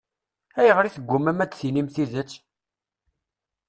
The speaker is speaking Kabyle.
Ayɣer i teggummam ad d-tinim tidet?